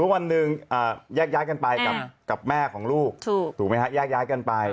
วันหนึ่งแยกย้ายกันไปกับแม่ของลูกถูกไหมฮะแยกย้ายกันไป